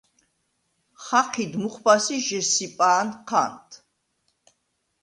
ხაჴიდ მუხვბას ი ჟესსიპა̄ნ ჴანდ.